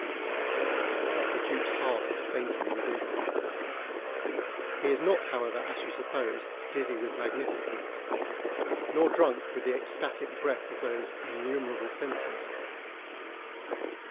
But the Duc's heart is fainting within him. He is not, however, as you suppose, dizzy with magnificence, nor drunk with the ecstatic breath of those innumerable censers.